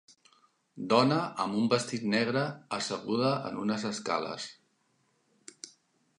Dona amb un vestit negre asseguda en unes escales.